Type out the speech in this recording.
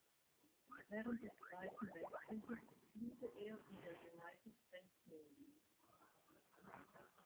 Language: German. Während des Zweiten Weltkrieges diente er in der United States Navy.